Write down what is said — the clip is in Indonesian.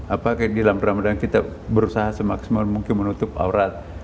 apakah di dalam ramadhan kita berusaha semaksimal mungkin menutup aurat